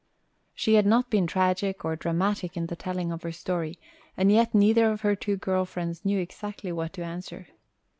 She had not been tragic or dramatic in the telling of her story, and yet neither of her two girl friends knew exactly what to answer.